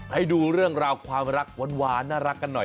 ให้ดูเรื่องราวความรักหวานน่ารักกันหน่อย